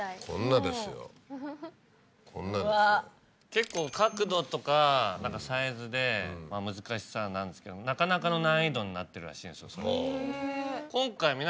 結構角度とかサイズで難しさなんですけどなかなかの難易度になってるらしいんです。